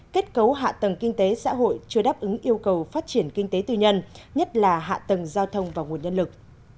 kết cấu hạ tầng kinh tế xã hội chưa đáp ứng yêu cầu phát triển kinh tế tư nhân nhất là hạ tầng giao thông và nguồn nhân lực